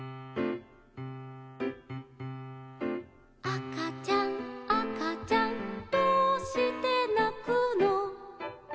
「あかちゃんあかちゃんどうしてなくの」